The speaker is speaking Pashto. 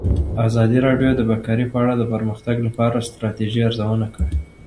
ازادي راډیو د بیکاري په اړه د پرمختګ لپاره د ستراتیژۍ ارزونه کړې.